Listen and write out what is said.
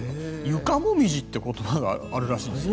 床もみじという言葉があるらしいです。